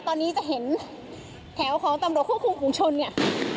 ตอนนี้จะเห็นแถวของตำรวจคุ้มภูมิโภคุงชนเนี่ย